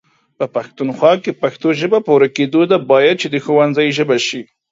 په پښتونخوا کې پښتو ژبه په ورکيدو ده، بايد چې د ښونځي ژبه شي